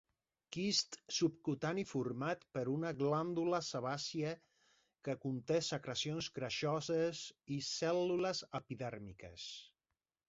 Quist subcutani format per una glàndula sebàcia que conté secrecions greixoses i cèl·lules epidèrmiques.